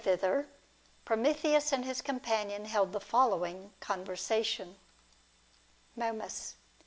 thither, Prometheus and his companion held the following conversation. Momus.